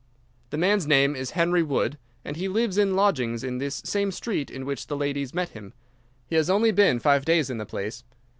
The man's name is Henry Wood, and he lives in lodgings in this same street in which the ladies met him. He has only been five days in the place.